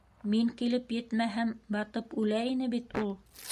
Мин килеп етмәһәм, батып үлә ине бит ул!